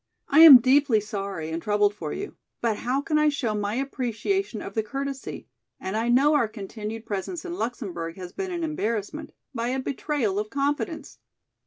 I am deeply sorry and troubled for you. But how can I show my appreciation of the courtesy—and I know our continued presence in Luxemburg has been an embarrassment—by a betrayal of confidence?